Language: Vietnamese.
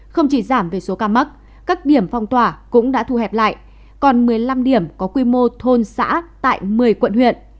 không chỉ giảm về số ca mắc các điểm phong tỏa cũng đã thu hẹp lại còn một mươi năm điểm có quy mô thôn xã tại một mươi quận huyện